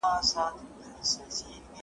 خدایه بیرته هغه تللی بیرغ غواړم